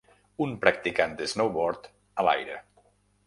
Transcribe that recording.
Un practicant de snowboard a l'aire.